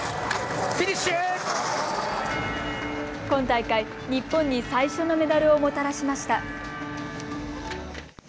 今大会、日本に最初のメダルをもたらしました。